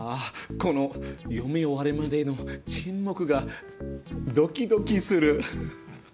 この読み終わるまでの沈黙がドキドキする。